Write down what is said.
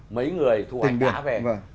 mấy người thu hành đã về